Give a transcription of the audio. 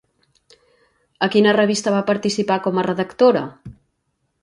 A quina revista va participar com a redactora?